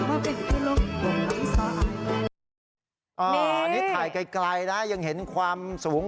นี่ถ่ายไกลนะยังเห็นความสูง